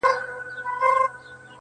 • مور دي نه سي پر هغو زمریو بوره -